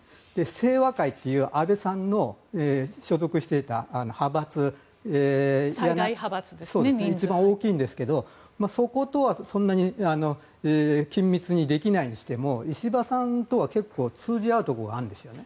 清和会という安倍さんの所属していた派閥が一番大きいんですがそことはそんなに緊密にできないにしても石破さんとは結構通じ合うところがあるんですね。